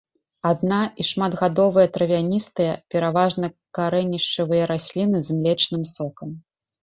Адна- і шматгадовыя травяністыя, пераважна карэнішчавыя расліны з млечным сокам.